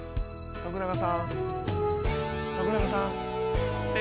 徳永さん？